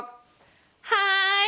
はい！